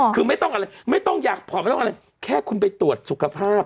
คือไม่ต้องอะไรไม่ต้องอยากผ่อนไม่ต้องอะไรแค่คุณไปตรวจสุขภาพ